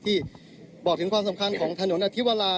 ที่บอกถึงความสำคัญของถนนอธิวรา